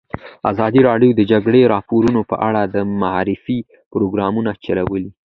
ازادي راډیو د د جګړې راپورونه په اړه د معارفې پروګرامونه چلولي.